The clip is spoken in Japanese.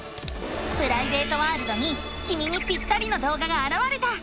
プライベートワールドにきみにぴったりの動画があらわれた！